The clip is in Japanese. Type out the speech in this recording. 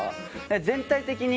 全体的に。